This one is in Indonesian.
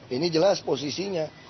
ini jelas posisinya